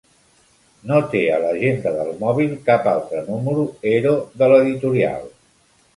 No té a l'agenda del mòbil cap altre número ero de l'editorial.